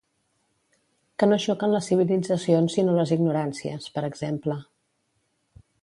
Que no xoquen les civilitzacions sinó les ignoràncies, per exemple.